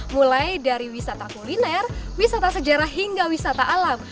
mulai dari wisata kuliner wisata sejarah hingga wisata alam